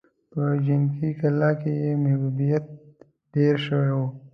په جنګي کلا کې يې محبوبيت ډېر شوی و.